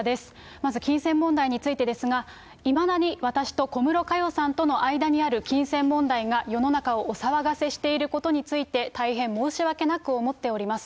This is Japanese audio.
まず金銭問題についてですが、いまだに私と小室佳代さんとの間にある金銭問題が、世の中をお騒がせしていることについて、大変申し訳なく思っております。